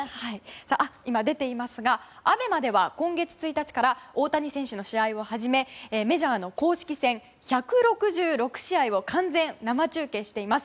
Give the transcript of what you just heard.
今出ていますが、ＡＢＥＭＡでは今月１日から大谷選手の試合をはじめメジャーの公式戦１６６試合を完全生中継しています。